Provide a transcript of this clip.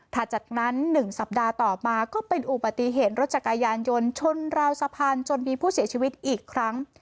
จากนั้น๑สัปดาห์ต่อมาก็เป็นอุบัติเหตุรถจักรยานยนต์ชนราวสะพานจนมีผู้เสียชีวิตอีกครั้ง